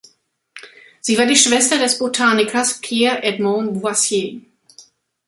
Sie war die Schwester des Botanikers Pierre Edmond Boissier.